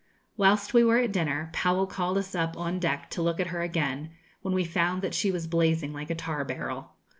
Whilst we were at dinner, Powell called us up on deck to look at her again, when we found that she was blazing like a tar barrel.